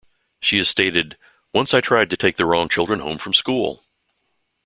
She has stated, Once I tried to take the wrong children home from school!